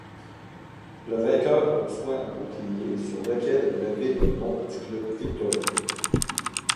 Le vainqueur reçoit un bouclier sur lequel est gravé le nom du club victorieux.